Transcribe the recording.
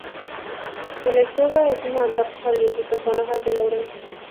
El escudo es una antorcha olímpica con hojas de laurel.